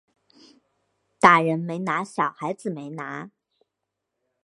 大人没拿小孩没拿